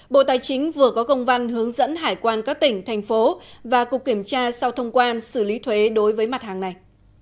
bộ tài chính vừa có công văn hướng dẫn hải quan các tỉnh thành phố và cục kiểm tra sau thông quan xử lý thuế đối với mặt hàng này